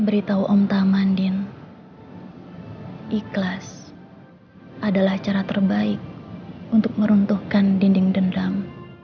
beritahu om tamandin ikhlas adalah cara terbaik untuk meruntuhkan dinding dendam